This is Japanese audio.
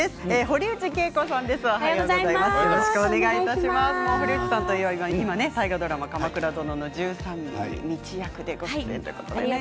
堀内さんといえば今ね大河ドラマ「鎌倉殿の１３人」道役でご出演ということでね。